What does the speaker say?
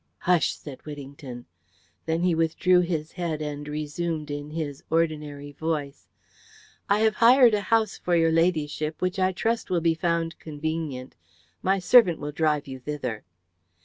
"Hush," said Whittington. Then he withdrew his head and resumed in his ordinary voice, "I have hired a house for your Ladyship, which I trust will be found convenient. My servant will drive you thither."